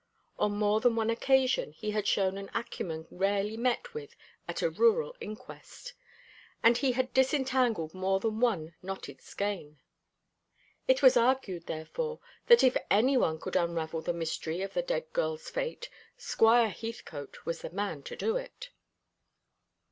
On more than one occasion he had shown an acumen rarely met with at a rural inquest; and he had disentangled more than one knotted skein. It was argued, therefore, that if any one could unravel the mystery of the dead girl's fate, Squire Heathcote was the man to do it.